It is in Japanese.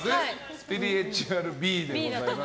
スピリチュアルＢでございます。